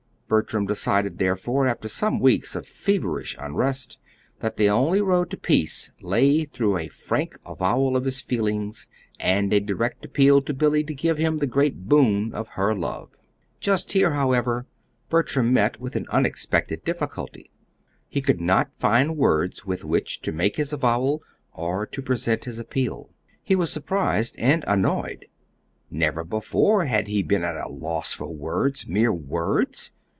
Bertram decided, therefore, after some weeks of feverish unrest, that the only road to peace lay through a frank avowal of his feelings, and a direct appeal to Billy to give him the great boon of her love. Just here, however, Bertram met with an unexpected difficulty. He could not find words with which to make his avowal or to present his appeal. He was surprised and annoyed. Never before had he been at a loss for words mere words.